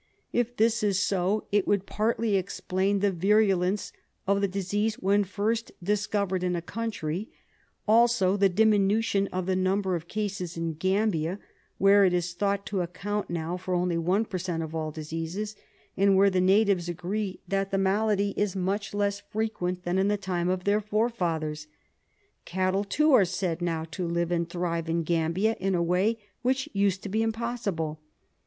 If this is so, it would partly explain the virulence of the disease when first dis covered in a country, also the diminution of the number of cases in Gambia, where it is thought to account now for only one per cent, of all diseases, and where the natives agree that the malady is much less frequent than in the time of their forefathers. Cattle, too, are said now to live and thrive in Gambia in a way which used to be impossible.